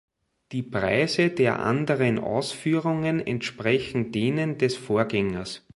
Die Preise der anderen Ausführungen entsprechen denen des Vorgängers.